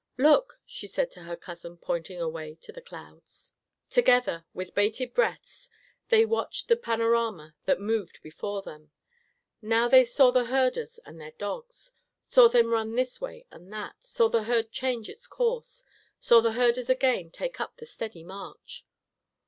"Look," she said to her cousin, pointing away to the clouds. Together, with bated breaths, they watched the panorama that moved before them. Now they saw the herders and their dogs, saw them run this way and that; saw the herd change its course, saw the herders again take up the steady march.